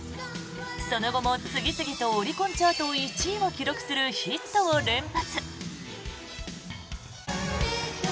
その後も次々オリコンチャート１位を記録するヒットを連発。